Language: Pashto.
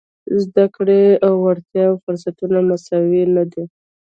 د زده کړې او وړتیاوو فرصتونه مساوي نه دي.